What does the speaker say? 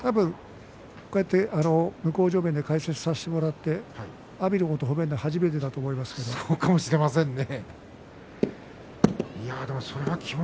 こうやって向正面で解説をさせてもらって阿炎のことを褒めるのは初めてだと思いますね。